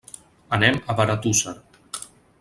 Anem a Benetússer.